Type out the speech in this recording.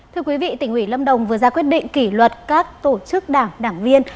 thưa quý vị tỉnh ủy lâm đồng vừa ra quyết định kỷ luật các tổ chức đảng đảng viên